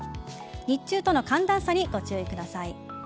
日中との寒暖差にご注意ください。